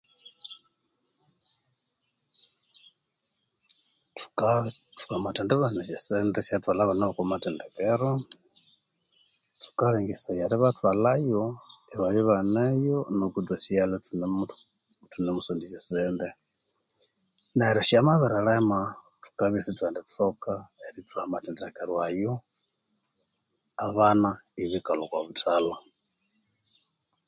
Thuka thwamathendibana esye sente syerithwalha abana boko mathendekero thukalengesaya eribathwalhayo ibabya baneyo nuku ithwasighalha ithuni thunimusondya esye sente neryo sya mabirilema thukabya isithwendithoka erithuha amathendekero ayo abana ibikalha oko buthalha